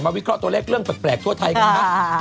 มาวิเคราะห์ตัวแรกเรื่องแปลกทั่วไทยกันครับ